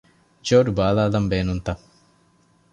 ޖޯޑު ބަލާލަން ބޭނުންތަ؟